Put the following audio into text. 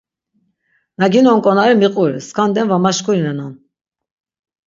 Na ginon ǩonari miquri, skanden va maşkurinenan.